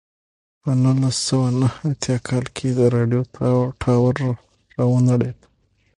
په نولس سوه نهه اتیا کال کې د راډیو ټاور را ونړېد.